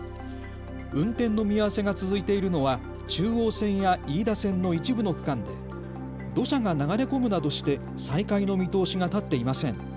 運転の見合わせが続いているのは中央線や飯田線の一部の区間で土砂が流れ込むなどして再開の見通しが立っていません。